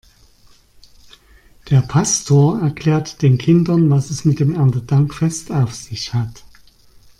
Der Pastor erklärt den Kindern, was es mit dem Erntedankfest auf sich hat.